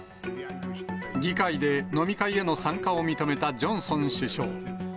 議会で飲み会への参加を認めたジョンソン首相。